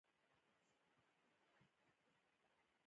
پرته له دې چې د مرګ خطر موجود نه و.